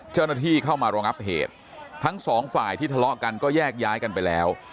เจ้าหน้าที่เข้ามารองับเหตุทั้งสองฝ่ายที่ทะเลาะกันก็แยกย้ายกันไปแล้ว